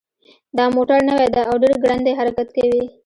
دا موټر نوی ده او ډېر ګړندی حرکت کوي